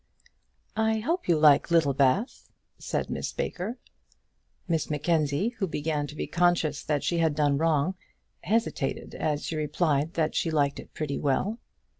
"I hope you like Littlebath," said Miss Baker. Miss Mackenzie, who began to be conscious that she had done wrong, hesitated as she replied that she liked it pretty well.